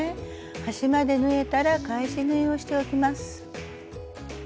端まで縫えたら返し縫いをしておきます。